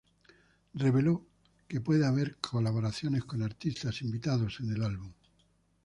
Reveló que puede haber colaboraciones con artistas invitados en el álbum.